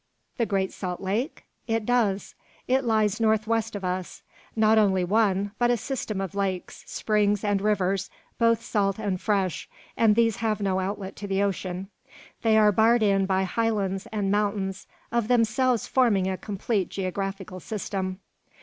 "The Great Salt Lake? It does. It lies north west of us. Not only one, but a system of lakes, springs, and rivers, both salt and fresh; and these have no outlet to the ocean. They are barred in by highlands and mountains, of themselves forming a complete geographical system."